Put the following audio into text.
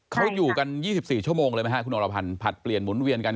เขาอยู่กัน๒๔ชั่วโมงเลยไหมฮะคุณอรพันธ์ผลัดเปลี่ยนหมุนเวียนกัน